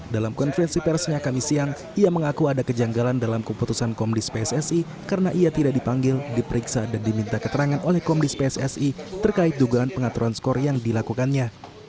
dalam konferensi persnya kami siang ia mengaku ada kejanggalan dalam keputusan komdis pssi karena ia tidak dipanggil diperiksa dan diminta keterangan oleh komdis pssi terkait dugaan pengaturan skor yang dilakukannya